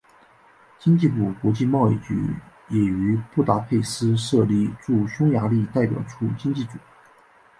经济部国际贸易局也于布达佩斯设立驻匈牙利代表处经济组。